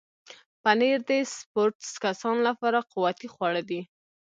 پنېر د سپورټس کسانو لپاره قوتي خواړه دي.